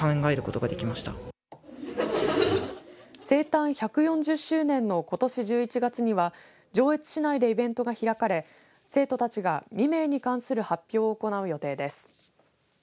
生誕１４０周年のことし１１月には上越市内でイベントが開かれ生徒たちが未明に関する発表を行う予定です。